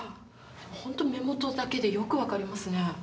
ほんと目元だけでよく分かりますね。